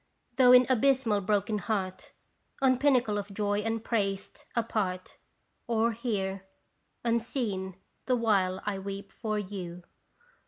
though in abysmal broken heart : On pinnacle of joy upraised, apart: Or here, unseen, the while I weep for you.